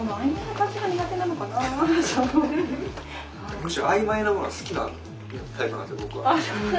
むしろ曖昧なものが好きなタイプなんですよ